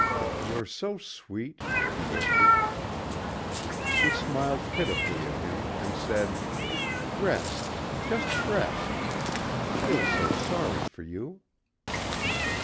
"You're so sweet," he whispered. She smiled pitifully at him and said, "Rest. Just rest. I feel so sorry for you."